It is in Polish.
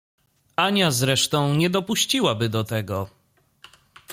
Ania zresztą nie dopuściłaby do tego.